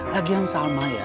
lagi yang salma ya